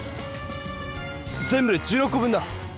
全部で１６こ分だ！